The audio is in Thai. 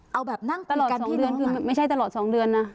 เอาแบบนั่งคุยกันไม่ใช่ตลอดสองเดือนนะ